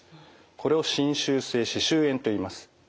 これを侵襲性歯周炎といいます。